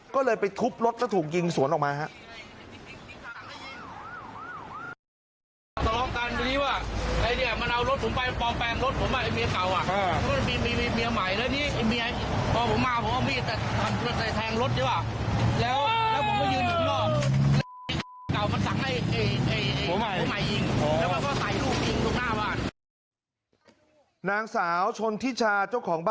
ก็เลยไปทุบรถแล้วถูกยิงสวนออกมาครับ